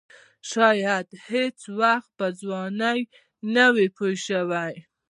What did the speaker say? شاید هېڅ وخت به ځوان نه وي پوه شوې!.